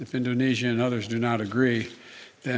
jika indonesia dan lainnya tidak setuju